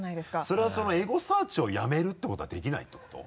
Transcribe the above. それはエゴサーチをやめるってことはできないってこと？